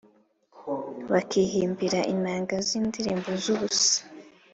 bakihimbira inanga z’indirimbo z’ubusa,